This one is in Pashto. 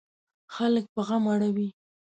خلک په غم اړوي.